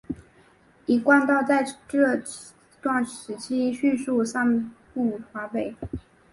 一贯道在这段时期迅速散布华北。